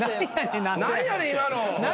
何やねん今の。